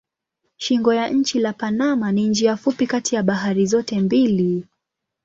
Shingo ya nchi la Panama ni njia fupi kati ya bahari zote mbili.